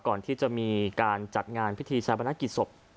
ก่อนที่จะมีการจัดงานพิธีชาปนกิจศพ